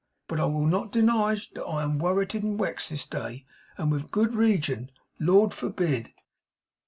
But I will not denige that I am worrited and wexed this day, and with good reagion, Lord forbid!